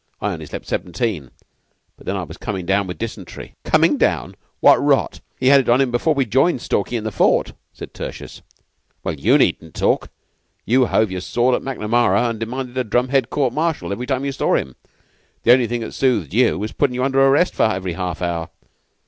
I only slept seventeen, but then I was coming down with dysentery." "Coming down? What rot! He had it on him before we joined Stalky in the fort," said Tertius. "Well, you needn't talk! You hove your sword at Macnamara and demanded a drum head court martial every time you saw him. The only thing that soothed you was putting you under arrest every half hour.